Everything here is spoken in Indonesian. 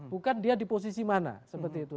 bukan dia di posisi mana seperti itu